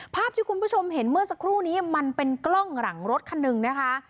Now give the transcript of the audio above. ภาพที่คุณผู้ชมเห็นเมื่อสักครู่นี้มันเป็นกล้องหลังรถคันหนึ่งนะคะ